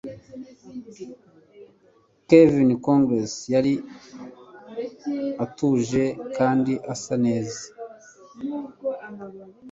Calvin Coolidge yari atuje kandi asa neza